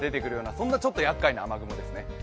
そんなちょっとやっかいな雨雲ですね。